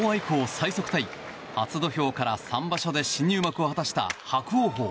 最速タイ、初土俵から３場所で新入幕を果たした伯桜鵬。